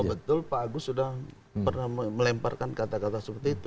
betul pak agus sudah pernah melemparkan kata kata seperti itu